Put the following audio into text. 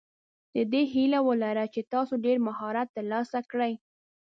د دې هیله ولره چې تاسو ډېر مهارت ترلاسه کړئ.